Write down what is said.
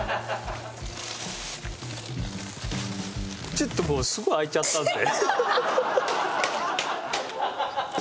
ちょっとこうすごい開いちゃったんで。